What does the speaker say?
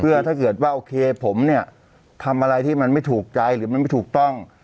เพื่อถ้าเกิดว่าโอเคผมเนี่ยทำอะไรที่มันไม่ถูกใจหรือมันไม่ถูกต้อง